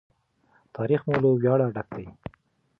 تاریخ مو له ویاړه ډک دی.